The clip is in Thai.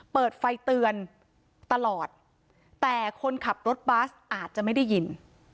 เปิดไฟเตือนตลอดแต่คนขับรถบัสอาจจะไม่ได้ยิน